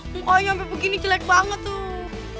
pokoknya sampai begini jelek banget tuh